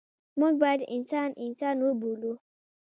موږ باید انسان انسان وبولو.